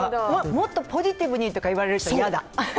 もっとポジティブにとか言われると、嫌だ。